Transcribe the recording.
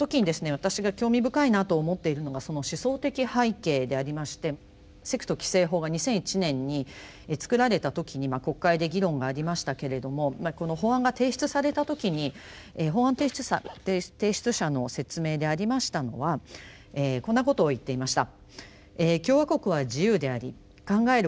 私が興味深いなと思っているのがその思想的背景でありまして「セクト規制法」が２００１年に作られた時に国会で議論がありましたけれどもこの法案が提出された時に法案提出者の説明でありましたのはこんなことを言っていました。